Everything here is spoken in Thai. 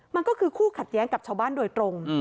มันก็คือคู่ขัดแย้งกับชาวบ้านโดยตรง